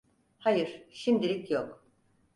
Hayır, şimdilik yok.